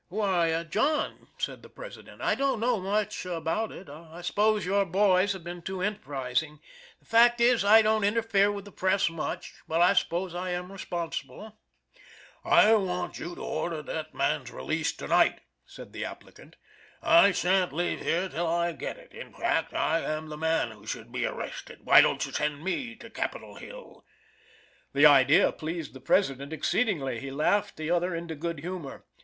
"Why, John," said the President, "I don't know much about it. I suppose your boys have been too enterprizing. The fact is, I don't interfere with the press much, but I suppose I am responsible." "I want you to order the man's release to night," said the applicant. "I shan't leave here till I get it. In fact, I am the man who should be arrested. Why don't you send me to Capitol Hill?" This idea pleased the President exceedingly. He laughed the other into good humor.